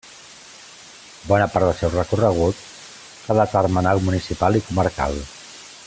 Bona part del seu recorregut fa de termenal municipal i comarcal.